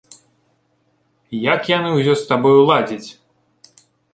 Як яны ўсе з табою ладзяць?